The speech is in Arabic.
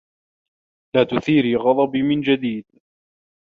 لا تثيري غضبي من جديد.